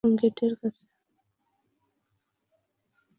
ফিরোজ হেঁটে-হেঁটে গেল গেটের কাছে।